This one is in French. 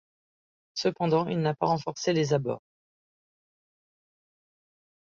Cependant, il n'a pas renforcé les abords.